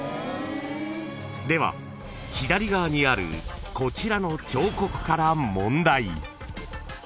［では左側にあるこちらの彫刻から］